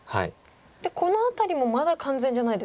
でこの辺りもまだ完全じゃないですか？